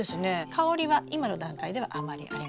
香りは今の段階ではあまりありません。